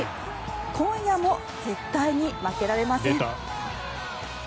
今夜も絶対に負けられません。